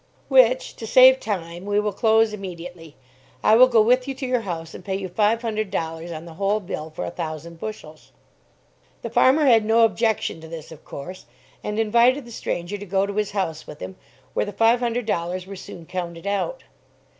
"Which, to save time, we will close immediately. I will go with you to your house, and pay you five hundred dollars on the whole bill for a thousand bushels." The farmer had no objection to this, of course, and invited the stranger to go to his house with him, where the five hundred dollars were soon counted out.